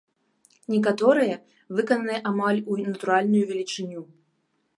Некаторыя выкананы амаль у натуральную велічыню.